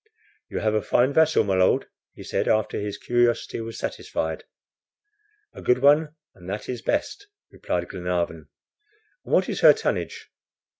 "You have a fine vessel, my Lord," he said after his curiosity was satisfied. "A good one, and that is best," replied Glenarvan. "And what is her tonnage?"